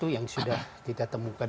tujuh puluh satu yang sudah kita temukan